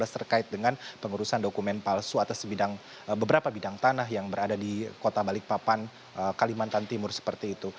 terkait dengan pengurusan dokumen palsu atas beberapa bidang tanah yang berada di kota balikpapan kalimantan timur seperti itu